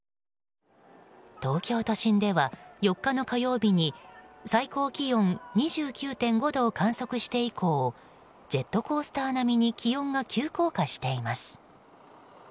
東京都心では４日の火曜日に最高気温２９．５度を観測して以降ジェットコースター並に気温が急降下しています。